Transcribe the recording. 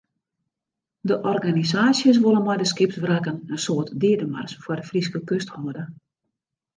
De organisaasjes wolle mei de skipswrakken in soart deademars foar de Fryske kust hâlde.